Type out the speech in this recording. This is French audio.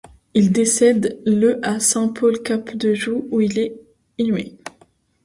Il décède le à Saint-Paul-Cap-de-Joux où il est inhumé.